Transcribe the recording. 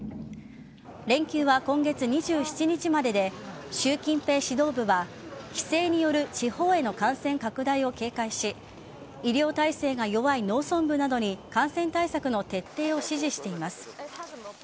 連休は今月２７日までで習近平指導部は帰省による地方への感染拡大を警戒し医療体制が弱い農村部などに感染対策の徹底を指示しています。